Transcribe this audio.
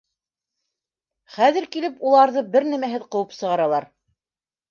Хәҙер килеп уларҙы бер нәмәһеҙ ҡыуып сығаралар.